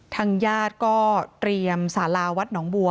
ทางญาติก็เตรียมสาราวัดหนองบัว